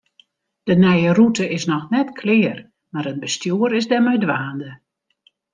De nije rûte is noch net klear, mar it bestjoer is der mei dwaande.